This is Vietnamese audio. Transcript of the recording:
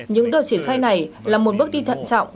những đợt triển khai này là một bước đi thận trọng